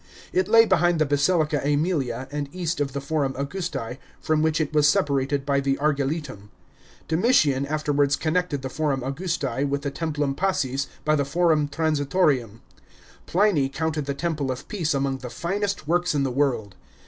It lay behind the Basilica ^Emilia and east of the Forum August! from which it was separated by the Argiletum. Domitian afterwards connected the Forum Augusti with the Templum Pacis by the Forum transitorium. Pliny counted the temple of Peace among the finest works in the world.